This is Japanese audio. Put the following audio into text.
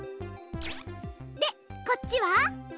でこっちは。